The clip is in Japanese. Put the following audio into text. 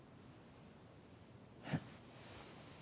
うん。